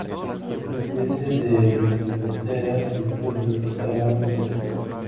Esta especie de Lepidoptera se encuentra localizada en África ecuatorial.